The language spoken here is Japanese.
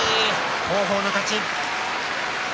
王鵬の勝ち。